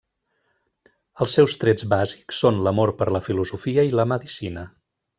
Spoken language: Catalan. Els seus trets bàsics són l'amor per la filosofia i la medicina.